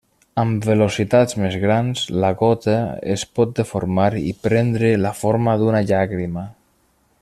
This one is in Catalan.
Amb velocitats més grans, la gota es pot deformar i prendre la forma d'una llàgrima.